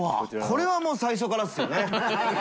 これは最初からですよね？